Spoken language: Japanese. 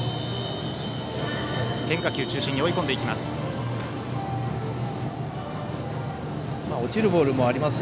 変化球中心に追い込んでいきます。